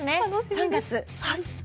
３月。